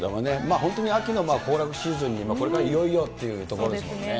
本当に秋の行楽シーズンに、これからいよいよっていうところですもんね。